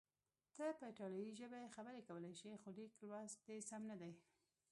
ته په ایټالوي ژبه خبرې کولای شې، خو لیک لوست دې سم نه دی.